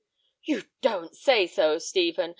"You don't say so, Stephen!